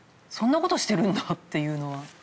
そんなことしてるんだっていうのは。